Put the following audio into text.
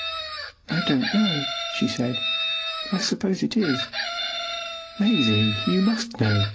"I don't know," she said. "I suppose it is." "Maisie, you must know.